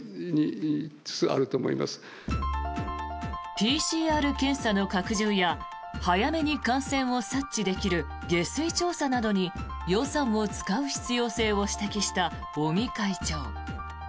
ＰＣＲ検査の拡充や早めに感染を察知できる下水調査などに予算を使う必要性を指摘した尾身会長。